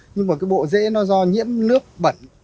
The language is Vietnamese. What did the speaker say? nhưng mà cái bộ dễ nó do nhiễm nước bẩn